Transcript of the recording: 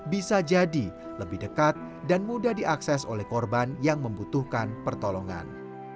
bisa jadi lebih dekat dan mudah diakses oleh korban yang membutuhkan pertolongan